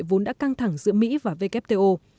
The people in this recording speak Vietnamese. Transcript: vốn đã căng thẳng giữa mỹ và wto